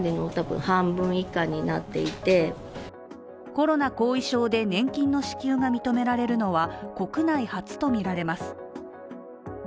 コロナ後遺症で年金の支給が認められるのは国内初とみられます。